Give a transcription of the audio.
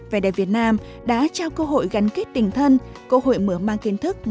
vd việt nam đã trao cơ hội gắn kết tình thân cơ hội mở mang kiến thức